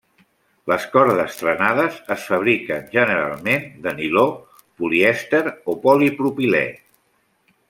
Les cordes trenades es fabriquen, generalment, de niló, polièster o polipropilè.